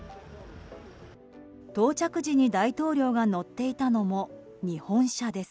到着時に大統領が乗っていたのも日本車です。